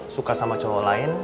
suka sama cowok lain